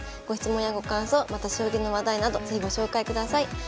ご質問やご感想また将棋の話題など是非ご紹介ください。